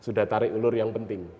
sudah tarik ulur yang penting